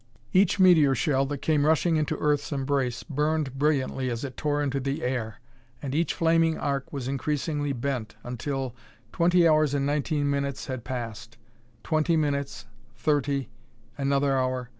Each meteor shell that came rushing into Earth's embrace burned brilliantly as it tore into the air. And each flaming arc was increasingly bent, until twenty hours and nineteen minutes had passed twenty minutes thirty another hour